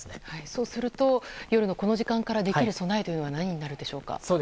そうすると夜のこの時間からできる備えは何になるでしょうか。